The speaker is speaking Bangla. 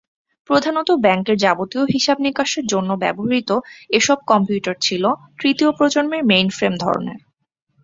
প্রধানত ব্যাংকের যাবতীয় হিসাব-নিকাশের জন্য ব্যবহূত এসব কম্পিউটার ছিল তৃতীয় প্রজন্মের মেইনফ্রেম ধরনের।